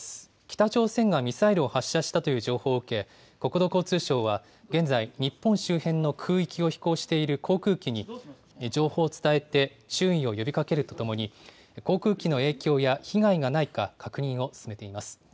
北朝鮮がミサイルを発射したという情報を受け、国土交通省は現在、日本周辺の空域を飛行している航空機に情報を伝えて、注意を呼びかけるとともに、航空機の影響や被害がないか、確認を進めています。